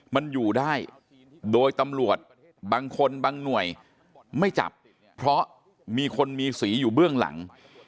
มันอยู่ได้โดยตำรวจบางคนบางหน่วยไม่จับเพราะมีคนมีสีอยู่เบื้องหลัง